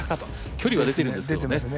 距離は出てるんですよね。